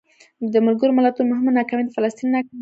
د ملګرو ملتونو مهمه ناکامي د فلسطین ناکامي ده.